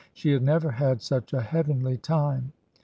She had never had such a heavenly time.